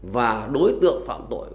và đối tượng phạm tội